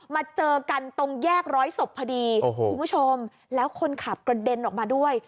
มาเจอกันตรงแยกร้อยศพพอดีโอ้โหคุณผู้ชมแล้วคนขับกระเด็นออกมาด้วย